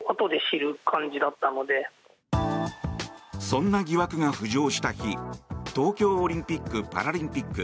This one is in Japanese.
そんな疑惑が浮上した日東京オリンピック・パラリンピック